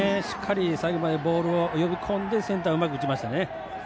しっかり最後までボールを呼び込んでセンターにうまく打ちました。